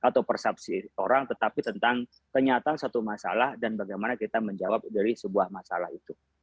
atau persepsi orang tetapi tentang kenyataan satu masalah dan bagaimana kita menjawab dari sebuah masalah itu